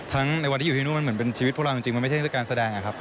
ทั้งในวันที่อยู่ที่คุณมุ่งมันเหมือนเป็นชีวิตพวกเราจริงมันไม่ใช่เพราะการแสดงครับ